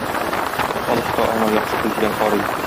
Халык та аңа яхшы күз белән карый...